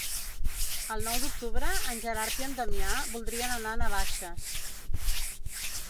El nou d'octubre en Gerard i en Damià voldrien anar a Navaixes.